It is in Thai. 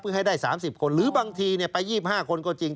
เพื่อให้ได้สามสิบคนหรือบางทีเนี่ยไปยี่สิบห้าคนก็จริง